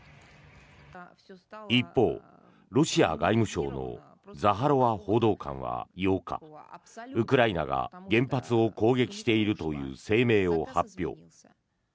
一方、ロシア外務省のザハロワ報道官は８日ウクライナが原発を攻撃しているという声明を発表。